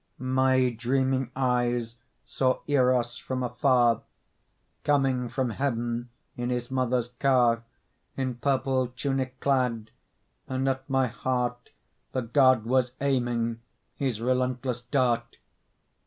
My dreaming eyes saw Eros from afar Coming from heaven in his mother's car, In purple tunic clad; and at my heart The God was aiming his relentless dart.